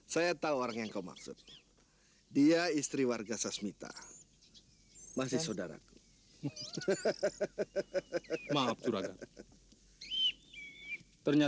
sampai jumpa di video selanjutnya